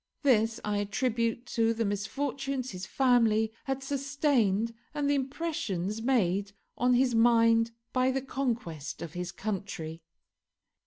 This I attribute to the misfortunes his family had sustained and the impressions made on his mind by the conquest of his country.